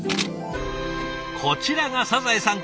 こちらがサザエさん